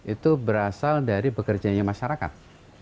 itu berasal dari bekerjanya masyarakat